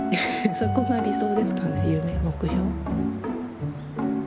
そこが理想ですかね夢目標。